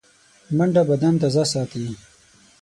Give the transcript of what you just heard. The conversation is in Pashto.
منډه بدن تازه ساتي